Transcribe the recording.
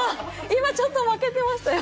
今ちょっと負けてましたよ。